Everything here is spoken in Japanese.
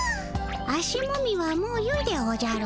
足もみはもうよいでおじゃる。